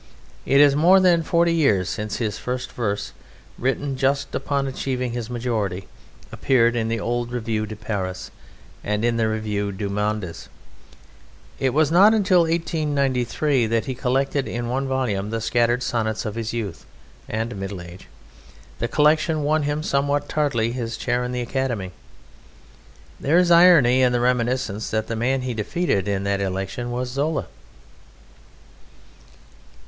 It is more than forty years since his first verse, written just upon achieving his majority, appeared in the old Revue de Paris and in the Revue des Deux Mondes. It was not till 1893 that he collected in one volume the scattered sonnets of his youth and middle age: the collection won him somewhat tardily his chair in the Academy. There is irony in the reminiscence that the man he defeated in that election was Zola.